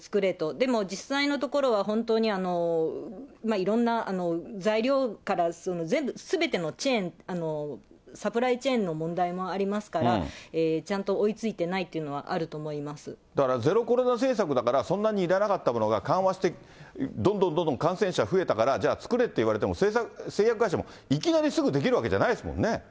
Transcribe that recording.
でも実際のところは本当に、いろんな材料から全部、すべてのサプライチェーンの問題もありますから、ちゃんと追いついてないといだからゼロコロナ政策だから、そんなに要らなかったものが、緩和してどんどんどんどん感染者が増えたから、じゃあ、作れって言われても、製薬会社もいきなりすぐできるわけじゃないですもんね。